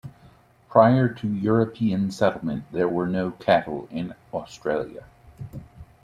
Prior to European settlement there were no cattle in Australia.